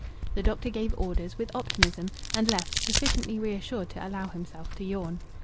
The doctor gave orders, with optimism, and left, sufficiently reassured to allow himself to yawn.